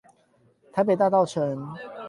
台北大稻埕